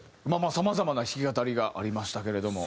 さまざまな弾き語りがありましたけれども。